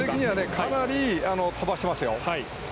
かなり飛ばしてますよ。